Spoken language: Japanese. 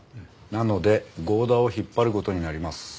なので剛田を引っ張る事になります。